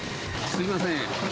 すみません。